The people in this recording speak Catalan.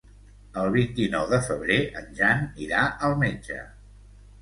El vint-i-nou de febrer en Jan irà al metge.